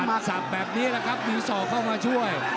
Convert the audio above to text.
ต้องมีหมัดสับแบบนี้แหละครับมีส่อเข้ามาช่วย